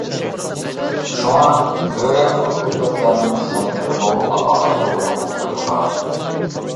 شۇڭا، بۆرە بۇ مىللەتلەرنىڭ سەنئىتىدىمۇ ئالاھىدە ئورۇنغا قويۇلغان.